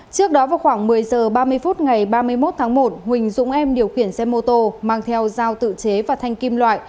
trước đó vào khoảng một mươi h ba mươi phút ngày ba mươi một tháng một huỳnh dũng em điều khiển xe mô tô mang theo dao tự chế và thanh kim loại